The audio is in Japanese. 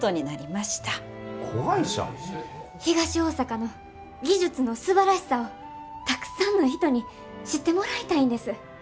東大阪の技術のすばらしさをたくさんの人に知ってもらいたいんです。